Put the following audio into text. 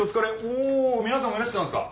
おお皆さんもいらしてたんですか。